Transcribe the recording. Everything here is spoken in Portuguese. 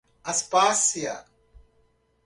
Aspásia